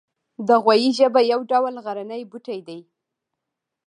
د غویي ژبه یو ډول غرنی بوټی دی